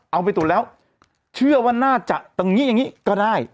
เอาไปตรวจแล้วเชื่อว่าน่าจะตรงนี้อย่างนี้ก็ได้